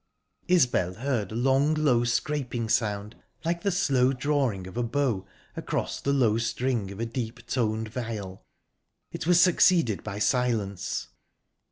Isbel heard a long, low, scraping sound, like the slow drawing of a bow across the low string of a deep toned viol. It was succeeded by silence.